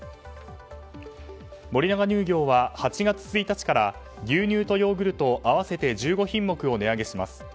森永乳業は８月１日から牛乳とヨーグルト合わせて１５品目を値上げします。